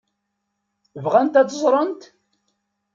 Bɣant ad tt-ẓrent?